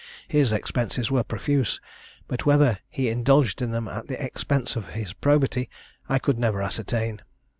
His expenses were profuse, but whether he indulged in them at the expense of his probity I could never ascertain.